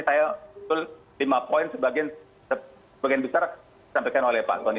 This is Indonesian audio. saya lima poin sebagian besar disampaikan oleh pak tony